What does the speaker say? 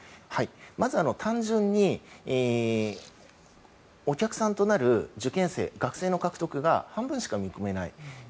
まず単純にお客さんとなる受験生、学生の獲得が半分しか見込めない。